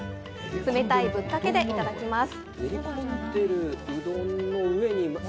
冷たいぶっかけでいただきます！